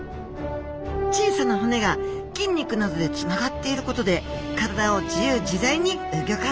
小さな骨が筋肉などでつながっていることで体を自由自在にうギョかすことができます。